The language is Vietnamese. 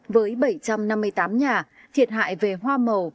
với bảy trăm năm mươi tám nhà thiệt hại về hoa màu